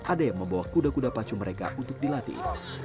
ada yang membawa kuda kuda pacu mereka untuk dilatih